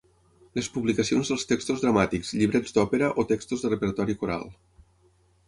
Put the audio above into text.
Les publicacions dels textos dramàtics, llibrets d'òpera o textos de repertori coral.